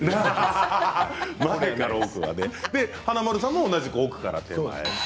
華丸さんも同じ奥から手前。